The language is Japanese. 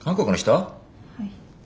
はい。